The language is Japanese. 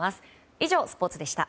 以上、スポーツでした。